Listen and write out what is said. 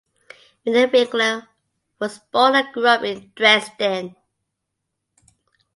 Renate Winkler was born and grew up in Dresden.